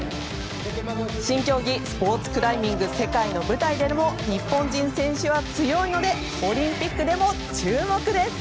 新競技スポーツクライミング世界の舞台でも日本人選手は強いのでオリンピックでも注目です。